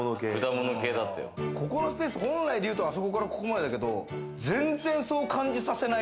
ここのスペース、本来で言うと、あそこから、ここまでだけど、全然そう感じさせない